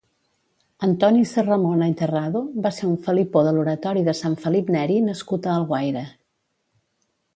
Antoni Serramona i Terrado va ser un felipó de l'Oratori de Sant Felip Neri nascut a Alguaire.